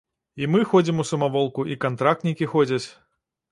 І мы ходзім у самаволку, і кантрактнікі ходзяць.